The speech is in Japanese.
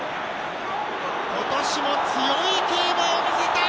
今年も強い競馬を見せた！